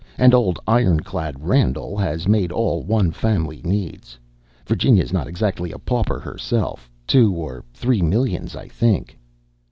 And old 'Iron clad' Randall has made all one family needs. Virginia's not exactly a pauper, herself. Two or three millions, I think."